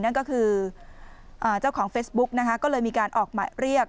นั่นก็คือเจ้าของเฟซบุ๊กนะคะก็เลยมีการออกหมายเรียก